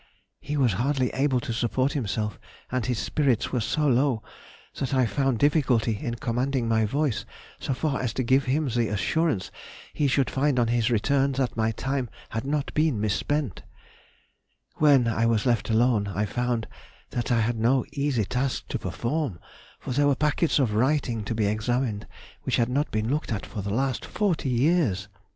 He was hardly able to support himself, and his spirits were so low, that I found difficulty in commanding my voice so far as to give him the assurance he should find on his return that my time had not been misspent. [Sidenote: 1819 1820. Extracts from Diary.] When I was left alone I found that I had no easy task to perform, for there were packets of writings to be examined which had not been looked at for the last forty years.